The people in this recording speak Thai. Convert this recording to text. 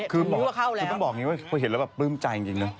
คือต้องบอกอย่างนี้ว่าพอเห็นแล้วแบบปลื้มใจจริงนะ